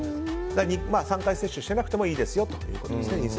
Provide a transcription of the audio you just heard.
３回接種してなくてもいいということですね。